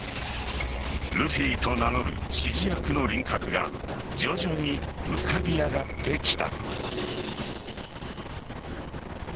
ルフィと名乗る指示役の輪郭が徐々に浮かび上がってきた。